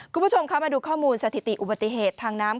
คุณผู้ชมคะมาดูข้อมูลสถิติอุบัติเหตุทางน้ำ